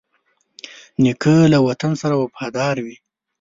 نیکه له وطن سره وفادار وي.